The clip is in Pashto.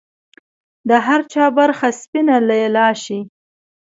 د هر چا برخه سپینه لیلا شي